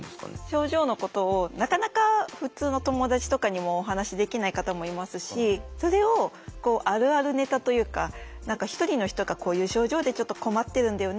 症状のことをなかなか普通の友達とかにもお話しできない方もいますしそれをあるあるネタというか何か一人の人が「こういう症状でちょっと困ってるんだよね」